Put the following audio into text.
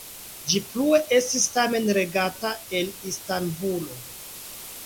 Ĝi plue estis tamen regata el Istanbulo.